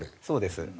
そうです。